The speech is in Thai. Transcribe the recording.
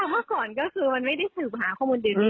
เมื่อก่อนก็คือมันไม่ได้สืบหาข้อมูลเดี๋ยวนี้